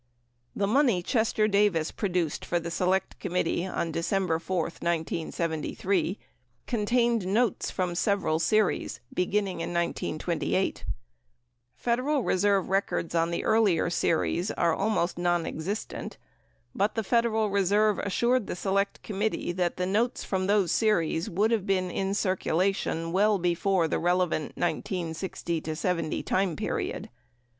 The money Chester Davis produced for the Select Committee on December 4, 1973, contained notes from several series, beginning in 1928. Federal Re serve records on the earlier series are almost nonexistent, but the Fed eral Reserve assured the Select Committee that, notes from those series would have been in circulation well before the relevant 1968 70 time period.